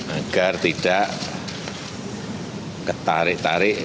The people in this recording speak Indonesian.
agar tidak ketarik tarik